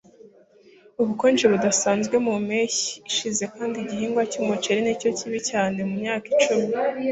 Ubukonje budasanzwe mu mpeshyi ishize kandi igihingwa cyumuceri nicyo kibi cyane mumyaka icumi